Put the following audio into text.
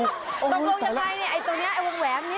คงไปอะไรอันนี้เออวงแวน